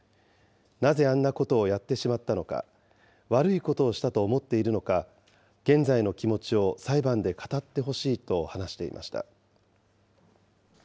なぜあんなことをやってしまったのか、悪いことをしたと思っているのか、現在の気持ちを裁判で語ってほしいと話していました。